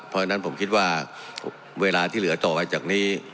เพราะฉะนั้นผมคิดว่าเวลาที่เหลือต่อไปจากนี้